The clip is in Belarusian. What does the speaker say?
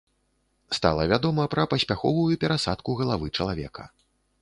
Стала вядома пра паспяховую перасадку галавы чалавека.